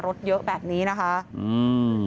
รถเยอะแบบนี้นะคะอืม